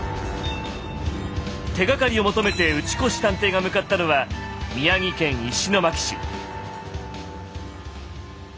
手がかりを求めて打越探偵が向かったのは宮城県石巻市。